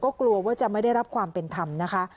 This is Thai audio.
กลัวว่าจะไม่ได้รับความเป็นธรรมนะคะ